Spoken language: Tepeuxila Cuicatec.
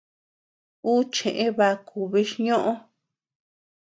Ú cheʼë baku bichñoʼö.